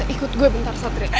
ikut gue bentar satria